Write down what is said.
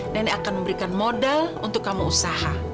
nenek akan memberikan modal untuk kamu usaha